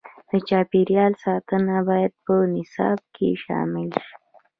د چاپیریال ساتنه باید په نصاب کې شامل شي.